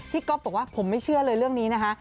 ก๊อฟบอกว่าผมไม่เชื่อเลยเรื่องนี้นะคะ